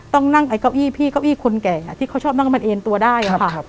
ต้องนั่งไอ้เก้าอี้พี่เก้าอี้คนแก่ที่เขาชอบนั่งมันเอ็นตัวได้ค่ะ